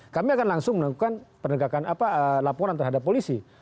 kami akan langsung melakukan penegakan laporan terhadap polisi